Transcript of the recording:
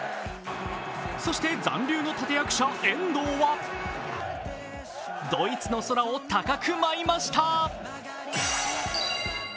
そして残留の立役者、遠藤はドイツの空を高く舞いました。